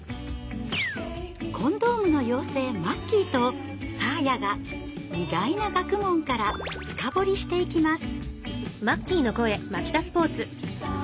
コンドームの妖精まっきぃとサーヤが意外な学問から深掘りしていきます。